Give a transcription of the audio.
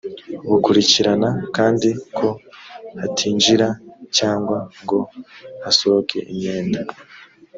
bukurikirana kandi ko hatinjira cyangwa ngo hasohoke imyenda.